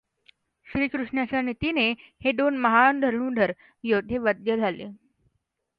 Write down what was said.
श्रीकृष्णाच्या नीतीने हे दोन महाधनुर्धर योध्दे वध्य झाले.